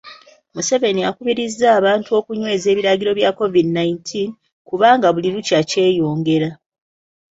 Museveni akubirizza abantu okunyweza ebiragiro bya COVID nineteen kubanga buli lukya kyeyongera